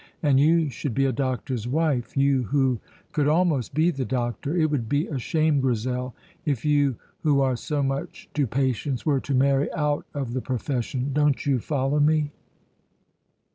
And you should be a doctor's wife you who could almost be the doctor. It would be a shame, Grizel, if you who are so much to patients were to marry out of the profession. Don't you follow me?"